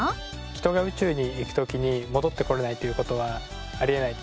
人が宇宙に行く時に戻って来られないという事はありえない。